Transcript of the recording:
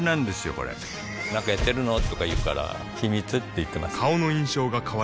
これなんかやってるの？とか言うから秘密って言ってます